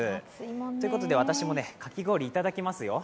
ということで私もかき氷、いただきますよ。